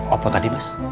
apa tadi mas